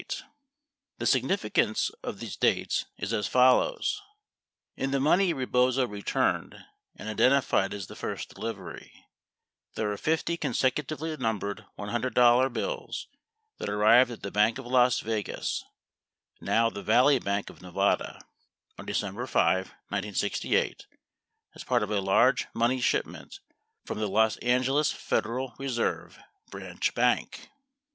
21 The significance of these dates is as follows. In the money Rebozo returned and identified as the first delivery, there are 50 consecutively numbered $100 bills that arrived at the Bank of Las Vegas (now the Valley Bank of Nevada) on December 5, 1968, as part of a large money shipment from the Los Angeles Federal Reserve branch bank.